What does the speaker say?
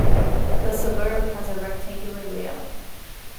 The suburb has a rectangular layout.